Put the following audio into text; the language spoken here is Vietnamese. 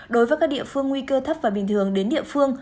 đối với các địa phương nguy cơ thấp và bình thường đến địa phương